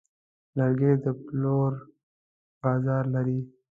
لرګی د پلور بازار لري.